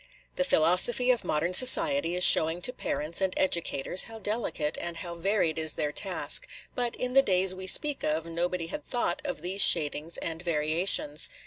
The philosophy of modern society is showing to parents and educators how delicate and how varied is their task; but in the days we speak of nobody had thought of these shadings and variations.